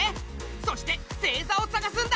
そして星ざを探すんだ！